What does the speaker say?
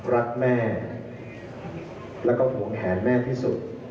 รักแม่แล้วก็ห่วงแหนแม่ที่สุด